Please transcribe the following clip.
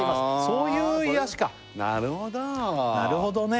そういう癒やしかなるほどねなるほど！